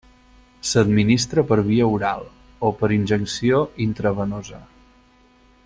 S'administra per via oral o per injecció intravenosa.